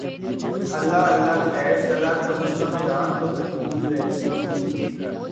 اللہ اللہ خیر سلا کم از کم جان تو محفوظ رہتی تھی۔